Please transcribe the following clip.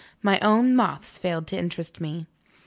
My own moths failed to interest me.